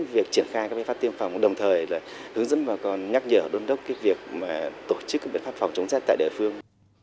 việc triển khai các biện pháp tiêm phòng đồng thời là hướng dẫn bà con nhắc nhở đôn đốc việc tổ chức các biện pháp phòng chống rét tại địa phương